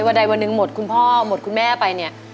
วันใดวันหนึ่งหมดคุณพ่อหมดคุณแม่ไปเนี่ย